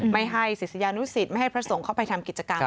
ไม่ให้ศรีษยานุศิษย์ไม่ให้พระฉรงเข้าไปทำกิจกราง